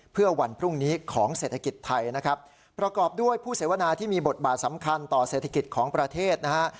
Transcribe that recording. เพื่อวันพรุ่งนี้ของเศรษฐกิจไทยนะครับประกอบด้วยผู้เสวนาที่มีบทบาทสำคัญต่อเศรษฐกิจของประเทศนะฮะ